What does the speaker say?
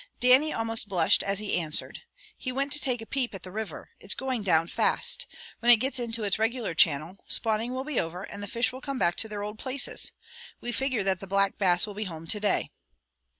Dannie almost blushed as he answered: "He went to take a peep at the river. It's going down fast. When it gets into its regular channel, spawning will be over and the fish will come back to their old places. We figure that the Black Bass will be home to day."